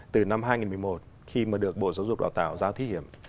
từ năm hai nghìn một mươi một khi mà được bộ giáo dục đào tạo giao thí điểm